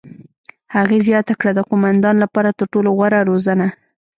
هغې زیاته کړه: "د قوماندان لپاره تر ټولو غوره روزنه.